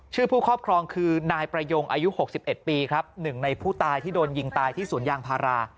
ผู้ครอบครองคือนายประยงอายุ๖๑ปีครับหนึ่งในผู้ตายที่โดนยิงตายที่สวนยางพารา